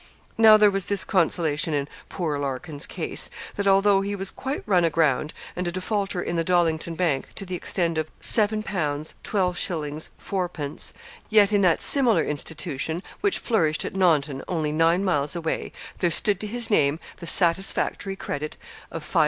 Now, there was this consolation in 'poor Larkin's case,' that although he was quite run aground, and a defaulter in the Dollington Bank to the extent of 7_l_. 12_s_. 4_d_., yet in that similar institution, which flourished at Naunton, only nine miles away, there stood to his name the satisfactory credit of 564_l_.